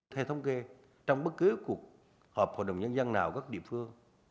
theo thông kê trong bất kỳ cuộc họp hội đồng nhân dân nào các địa phương